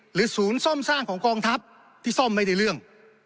ศูนย์ซ่อมสร้างของกองทัพที่ซ่อมไม่ได้เรื่อง